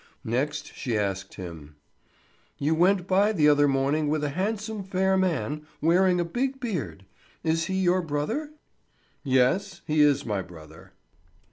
Next she asked him: "You went by the other morning with a handsome fair man, wearing a big beard. Is he your brother?" "Yes, he is my brother."